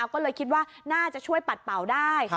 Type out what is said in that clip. ก็เลยคิดว่าน่าจะช่วยปัดเป่าได้